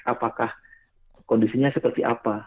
apakah kondisinya seperti apa